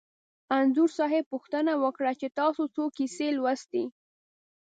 انځور صاحب پوښتنه وکړه چې تاسې څو کیسې لوستي.